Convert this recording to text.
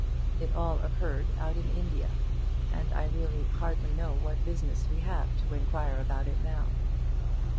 It all occurred out in India, and I really hardly know what business we have to inquire about it now.